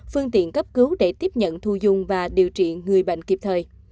phương tiện cấp cứu để tiếp nhận thu dung và điều trị người bệnh kịp thời